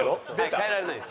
変えられないです。